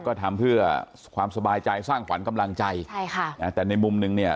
ก็ทำเพื่อความสบายใจสร้างขวัญกำลังใจใช่ค่ะอ่าแต่ในมุมหนึ่งเนี่ย